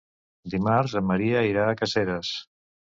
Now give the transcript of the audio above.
Dimarts en Maria irà a Caseres.